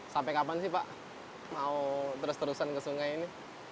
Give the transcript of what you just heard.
sampai kapan sih pak mau terus terusan ke sungai ini